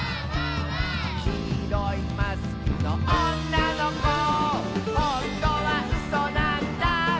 「きいろいマスクのおんなのこ」「ほんとはうそなんだ」